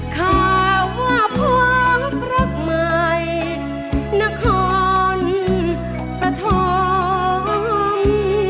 ข้าว่าพวกรักหมายนครปธรรม